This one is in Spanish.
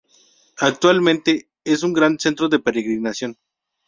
Actualmente es un gran centro de peregrinación.